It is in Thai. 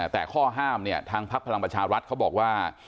แต่ข้อห้ามเนี่ยทางพักพลังประชารัฐเขาบอกว่า